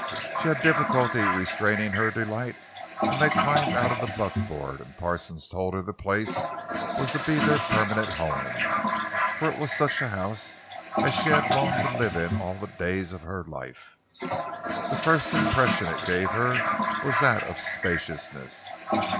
She had difficulty restraining her delight when they climbed out of the buckboard and Parsons told her the place was to be their permanent home. For it was such a house as she had longed to live in all the days of her life. The first impression it gave her was that of spaciousness.